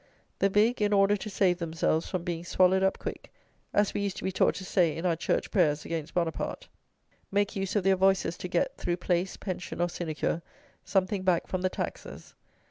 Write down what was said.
The big, in order to save themselves from being "swallowed up quick" (as we used to be taught to say in our Church Prayers against Buonaparte), make use of their voices to get, through place, pension, or sinecure, something back from the taxers.